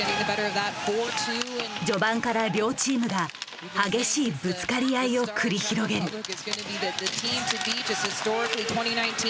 序盤から両チームが激しいぶつかり合いを繰り広げる。